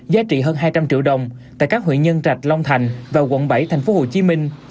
giá trị hơn hai trăm linh triệu đồng tại các huyện nhân trạch long thành và quận bảy thành phố hồ chí minh